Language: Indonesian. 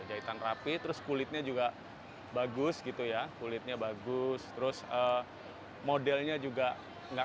jahitan rapi terus kulitnya juga bagus gitu ya kulitnya bagus terus modelnya juga enggak